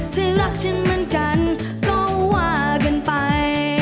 ที่รักฉันเหมือนกันก็ว่ากันไป